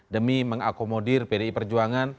demi mengakomodir pdi perjuangan